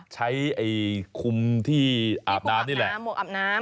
ใช้คุมที่อาบน้ำนี่แหละน้ำหมวกอาบน้ำ